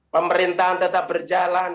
pemerintahan tetap berjalan